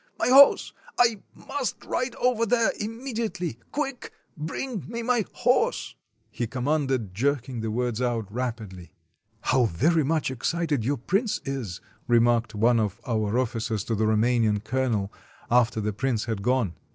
my horse! I must ride over there im mediately; quick — bring me my horse," he commanded, jerking the words out rapidly. "How very much excited your prince is," remarked one of our officers to the Roumanian colonel after the prince had gone.